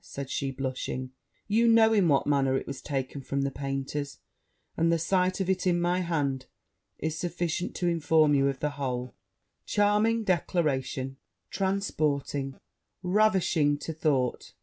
said she, blushing. 'You know it what manner it was taken from the painter's; and the sight of it in my hand is sufficient to inform you of the whole.' 'Charming declaration! transporting, ravishing, to thought!'